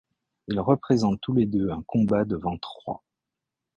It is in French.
Ils représentent tous les deux un combat devant Troie.